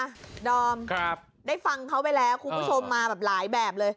ดอมครับได้ฟังเขาไปแล้วคุณผู้ชมมาแบบหลายแบบเลย